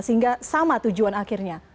sehingga sama tujuan akhirnya